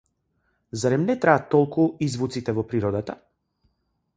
Зарем не траат толку и звуците во природата?